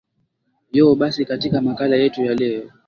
yo basi katika makala yetu ya leo